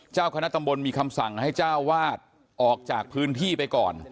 เจ้าคณะตำบลมีคำสั่งให้เจ้าวาดออกจากพื้นที่ไปก่อน